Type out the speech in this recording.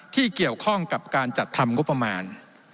ที่เกี่ยวข้องกับการจัดทำงบประมาณ